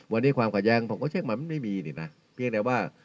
วันนี้ความขัดแย้งผมก็เช็คมามันไม่มีนี่นะเพียงแต่ว่า